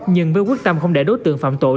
nhưng với quyết tâm không để đối tượng phạm tội